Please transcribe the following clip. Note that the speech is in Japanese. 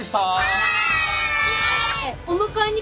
はい！